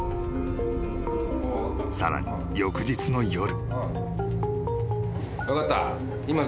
［さらに翌日の夜］